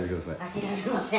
「諦めません」